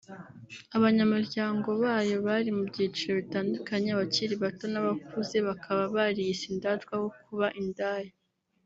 Abanyamuryango bayo bari mu byiciro bitandukanye(abakiri bato n’abakuze) bakaba bariyise indatwa aho kuba indaya